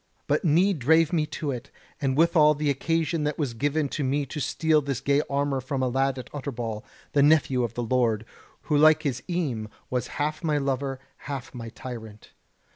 But need drave me to it, and withal the occasion that was given to me to steal this gay armour from a lad at Utterbol, the nephew of the lord; who like his eme was half my lover, half my tyrant.